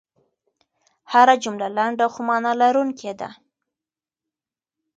هره جمله لنډه خو مانا لرونکې ده.